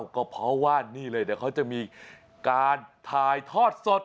ก็เพราะว่านี่เลยเดี๋ยวเขาจะมีการถ่ายทอดสด